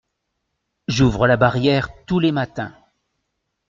J’ouvre la barrière tous les matins.